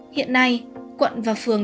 hiện nay quận và phường